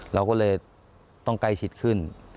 เราก็เลยต้องใกล้ชิดขึ้น